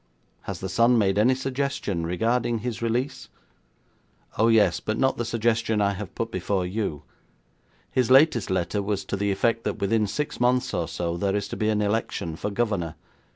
Has the son made any suggestion regarding his release?' 'Oh yes, but not the suggestion I have put before you. His latest letter was to the effect that within six months or so there is to be an election for governor.